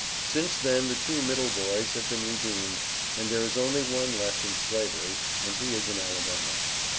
Since then the two middle boys have been redeemed and there is only one left in Slavery, and he is in Alabama.